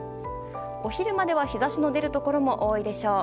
お昼までは日差しの出るところも多いでしょう。